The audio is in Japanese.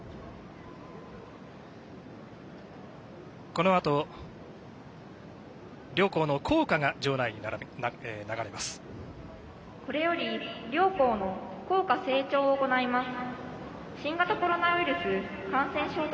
このあと、両校の校歌が場内に流れます。